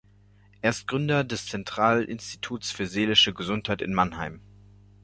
Er ist Gründer des Zentralinstituts für Seelische Gesundheit in Mannheim.